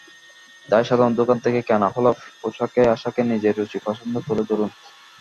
তাই সাধারণ দোকান থেকে কেনা হলেও পোশাকে-আশাকে নিজের রুচি পছন্দটা তুলে ধরুন।